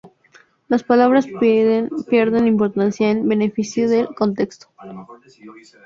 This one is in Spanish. Las palabras pierden importancia en beneficio del contexto.